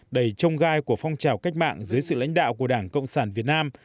đầy trông gai của phong trào cách mạng dưới sự lãnh đạo của đảng cộng sản việt nam